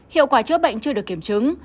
hiệu quả chữa bệnh chưa được kiểm chứng